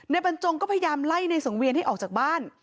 บรรจงก็พยายามไล่ในสังเวียนให้ออกจากบ้าน